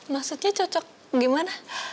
maksudnya cocok gimana